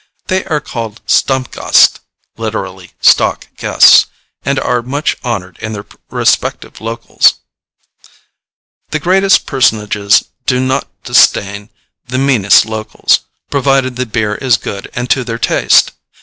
They are called Stammgäste (literally stock guests), and are much honored in their respective locals. The greatest personages do not disdain the meanest locals, provided the beer is good and to their taste.